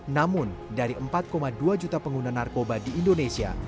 namun dari empat dua juta pengguna narkotika